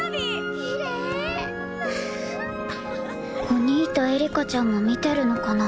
お兄とエリカちゃんも見てるのかな？